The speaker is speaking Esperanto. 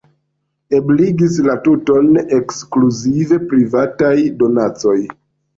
Ebligis la tuton ekskluzive privataj donacoj.